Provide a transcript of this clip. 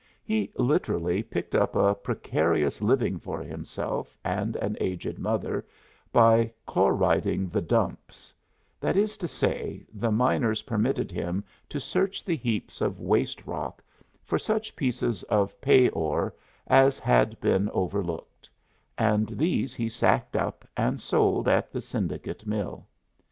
He literally picked up a precarious living for himself and an aged mother by "chloriding the dumps," that is to say, the miners permitted him to search the heaps of waste rock for such pieces of "pay ore" as had been overlooked; and these he sacked up and sold at the Syndicate Mill.